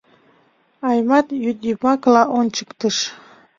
Аймат йӱдйымакыла ончыктыш.